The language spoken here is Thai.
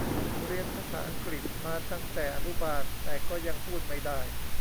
เรียนภาษาอังกฤษมาตั้งแต่อนุบาลแต่ก็ยังพูดไม่ได้